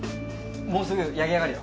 もうすぐ焼きあがるよ